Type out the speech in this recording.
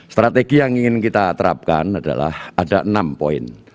strategi yang ingin kita terapkan adalah ada enam poin